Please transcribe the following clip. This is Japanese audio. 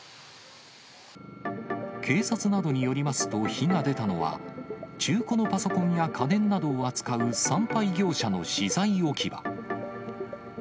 警察などによりますと、火が出たのは中古のパソコンや家電などを扱う産廃業者の資材置き場。